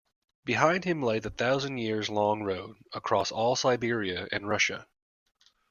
Behind him lay the thousand-years-long road across all Siberia and Russia.